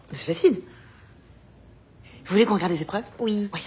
はい。